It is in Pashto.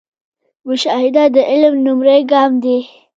مشاهده د علم لومړی ګام دی